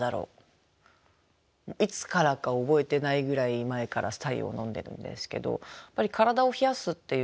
いつからか覚えてないぐらい前から白湯を飲んでるんですけどやっぱり体を冷やすっていうことが。